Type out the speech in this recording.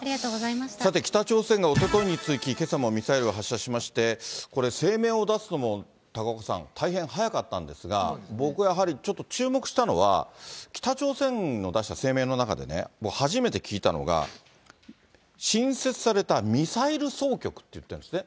さて、北朝鮮がおとといに続き、けさもミサイルを発射しまして、これ、声明を出すのも高岡さん、大変早かったんですが、僕はやはり、ちょっと注目したのは、北朝鮮の出した声明の中でね、初めて聞いたのが、新設されたミサイル総局っていってるんですね。